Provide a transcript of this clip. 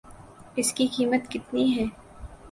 اس کی قیمت کتنی ہے